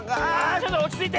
ちょっとおちついて！